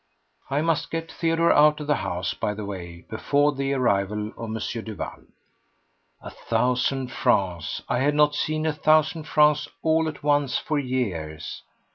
I must get Theodore out of the house, by the way, before the arrival of M. Duval. A thousand francs! I had not seen a thousand francs all at once for years.